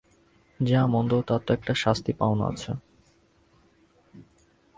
– যা মন্দ তার তো একটা শাস্তি পাওনা আছে?